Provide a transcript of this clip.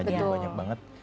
jadi banyak banget